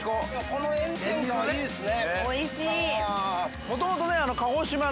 ◆この炎天下はいいですね。